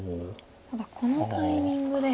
ただこのタイミングで。